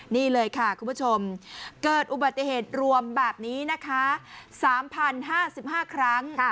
นี่เลยค่ะคุณผู้ชมเกิดอุบัติเหตุรวมแบบนี้นะคะ๓๐๕๕ครั้ง